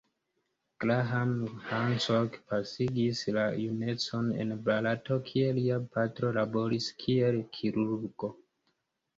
Graham Hancock pasigis la junecon en Barato, kie lia patro laboris kiel kirurgo.